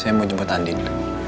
saya mau jemput andin